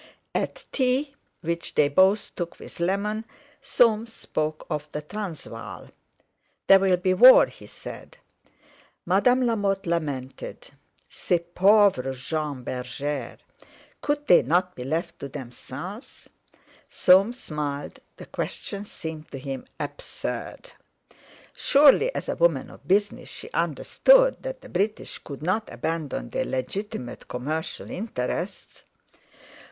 At tea, which they both took with lemon, Soames spoke of the Transvaal. "There'll be war," he said. Madame Lamotte lamented. "Ces pauvres gens bergers!" Could they not be left to themselves? Soames smiled—the question seemed to him absurd. Surely as a woman of business she understood that the British could not abandon their legitimate commercial interests.